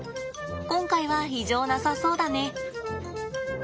今回は異常なさそうだね。